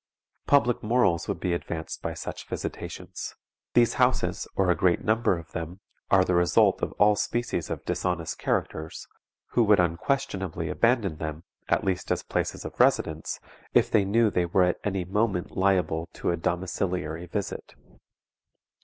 Public morals would be advanced by such visitations. These houses, or a great number of them, are the resort of all species of dishonest characters who would unquestionably abandon them, at least as places of residence, if they knew they were at any moment liable to a domiciliary visit.